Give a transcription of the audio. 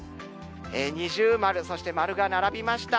二重丸、そして丸が並びました。